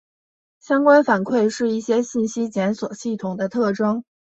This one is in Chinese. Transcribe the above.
相关反馈是一些信息检索系统的特征。